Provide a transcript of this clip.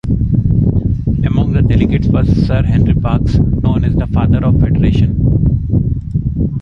Among the delegates was Sir Henry Parkes, known as the "Father of Federation".